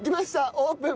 オープン！